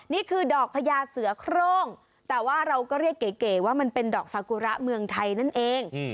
นี่คือดอกพญาเสือโครงแต่ว่าเราก็เรียกเก๋ว่ามันเป็นดอกสากุระเมืองไทยนั่นเอง